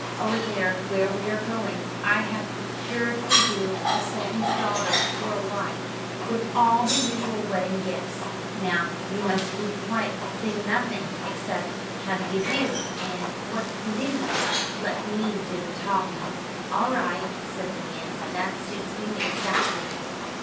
Over there, where we are going, I have procured for you the sultan's daughter for a wife, with all the usual wedding gifts. Now, you must keep quiet. Say nothing except, 'How d'ye do?' and 'What's the news?' Let me do the talking." "All right," said the man; "that suits me exactly."